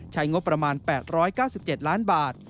ใช้งบประมาณ๘๙๗ล้านบาท